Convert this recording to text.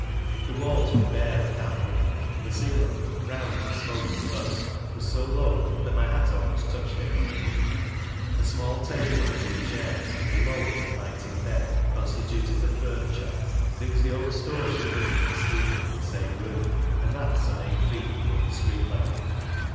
The walls were bare and damp looking, and the ceiling, brown with smoke and dust, was so low that my hat almost touched it. A euiall table and a few chairs, with a low, uninviting bed, constituted the f urniture; and it was the old story of living and sleeping in the same room, and that some eight feet below the street level.